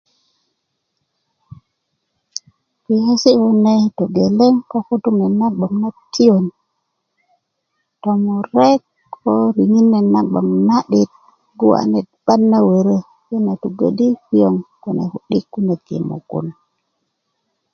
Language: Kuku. kpiyesi kune togeleŋ ko kutuk nena bgoŋ na tiyön tomure ko riŋit nena bgoŋ na'dit guwa ne 'ban na woro yi na tugö di piöŋ ku'dik konu i mugun